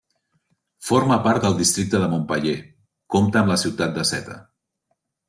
Forma part del districte de Montpeller, compta amb la ciutat de Seta.